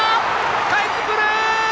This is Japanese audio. かえってくる！